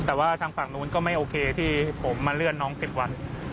แต่ว่าทางฝั่งนู้นก็ไม่โอเคที่ผมมาเลื่อนน้อง๑๐วัน